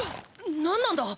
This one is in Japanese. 何なんだ